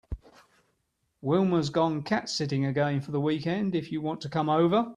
Wilma’s gone cat sitting again for the weekend if you want to come over.